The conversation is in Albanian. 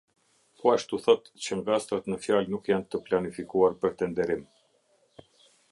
Po ashtu thotë qe ngastrat ne fjale nuk janë te planifikuar për tenderim.